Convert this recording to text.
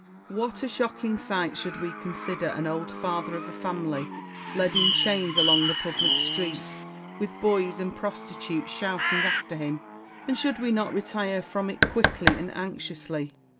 What a shocking sight should we consider an old father of a family led in chains along the public street, with boys and prostitutes shouting after him !— and should we not retire from it quickly and anxiously?